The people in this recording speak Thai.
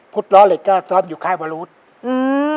พุทธล้อเหล็กก็ซ้อมอยู่ค่ายวารวุฒิ